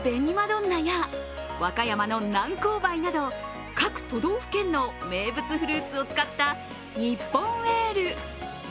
どんなや和歌山の南高梅など各都道府県の名物フルーツを使ったニッポンエール。